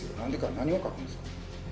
何を書くんすか。